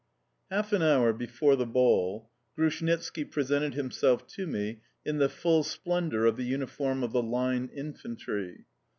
HALF an hour before the ball, Grushnitski presented himself to me in the full splendour of the uniform of the Line infantry.